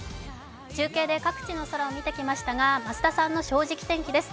中継で各地の空を見てきましたが、増田さんの「正直天気」です。